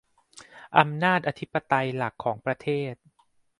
อำนาจอธิปไตยหลักของประเทศ